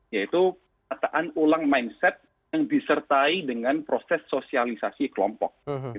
yaitu kataan ulang mindset yang disertai dengan proses sosialisasi kelompok